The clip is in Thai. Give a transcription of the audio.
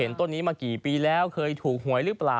ต้นนี้มากี่ปีแล้วเคยถูกหวยหรือเปล่า